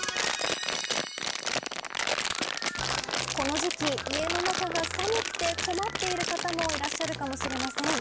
この時期家の中が寒くて困っている方もいらっしゃるかもしれません。